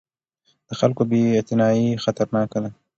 د خلکو بې اعتنايي خطرناکه ده